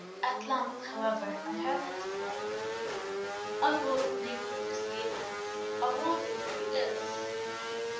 At length, however, I heard him say "I bought a negro this evening I wonder where he is."